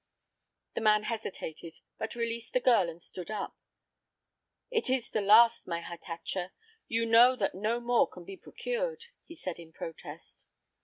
The man hesitated, but released the girl and stood up. "It is the last, my Hatatcha. You know that no more can be procured," he said, in protest.